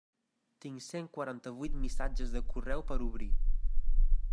Tinc cent quaranta-vuit missatges de correu per obrir.